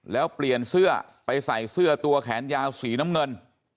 แล้วเปลี่ยนเสื้อไปใส่เสื้อตัวแขนยาวสีน้ำเงิน